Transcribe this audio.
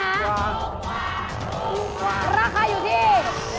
ราคาอยู่ที่